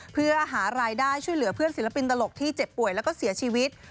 เพื่อหารายได้ช่วยเหลือเพื่อนศิลปินตลกที่เจ็บป่วยแล้วก็เสียชีวิต